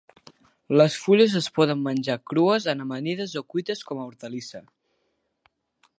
Les fulles es poden menjar crues en amanides o cuites com a hortalissa.